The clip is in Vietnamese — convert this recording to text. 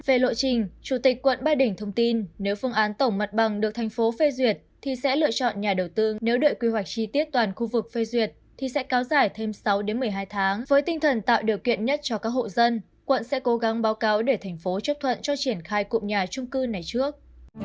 với tinh thần tạo điều kiện nhất cho các hộ dân quận sẽ cố gắng báo cáo để thành phố chấp thuận cho triển khai cụm nhà chung cư này trước